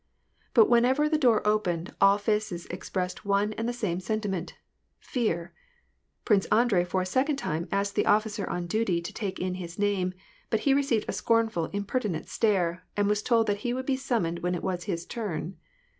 But whenever the door opened, all faces expressed one and the same sentiment — fear ! Prince Andrei for a second time asked the officer on duty to take in his name ; but he received a scornful, impertinent stare, and was told that he would be summoned when it was his turn.